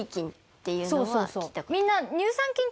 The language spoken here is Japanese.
みんな。